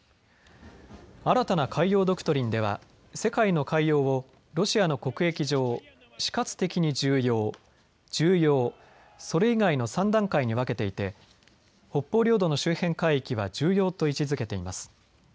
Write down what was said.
新たな海洋ドクトリンでは世界の海洋をロシアの国益上死活的に重要、重要、それ以外の３段階に分けていて北方領土の周辺海域は重要と位置づけています。